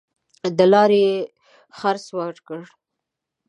د لاري خرڅ ورکړ.